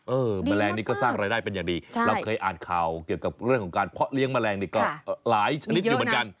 แมลงนี้ก็สร้างรายได้เป็นอย่างดีเราเคยอ่านข่าวเกี่ยวกับเรื่องของการเพาะเลี้ยแมลงนี่ก็หลายชนิดอยู่เหมือนกัน